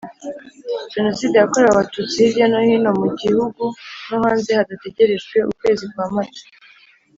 Jenoside yakorewe abatutsi hirya no hino mu gihugu no hanze hadategerejwe ukwezi kwa mata